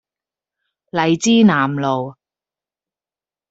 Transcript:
荔枝南路